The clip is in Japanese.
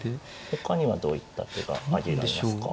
ほかにはどういった手が挙げられますか。